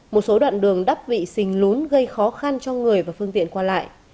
một số đoạn đường đắp vị xình lún gây khó khăn cho người và phương tiện qua lại